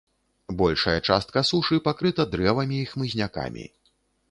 Большая частка сушы пакрыта дрэвамі і хмызнякамі.